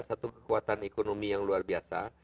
satu kekuatan ekonomi yang luar biasa